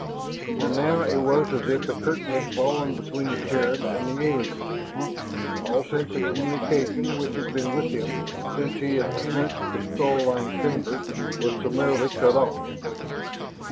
And now it was as if a curtain had fallen between the Terran and the aliens, all sense of communication which had been with him since he had entered the skull lined chamber was summarily cut off.